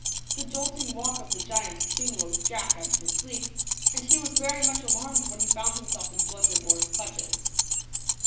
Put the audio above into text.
The jolting walk of the giant soon woke Jack out of his sleep, and he was very much alarmed when he found himself in Blunder bores clutches.